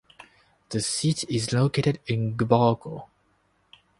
The seat is located in Gboko.